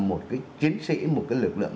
một cái chiến sĩ một cái lực lượng